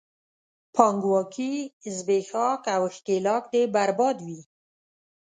پانګواکي، زبېښاک او ښکېلاک دې برباد وي!